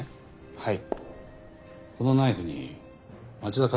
はい。